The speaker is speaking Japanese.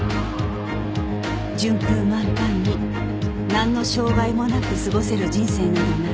順風満帆になんの障害もなく過ごせる人生などない